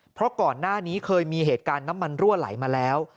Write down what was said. เพราะก่อนหน้านี้เคยมีเหตุการณ์น้ำมันรั่วไหลมาแล้ว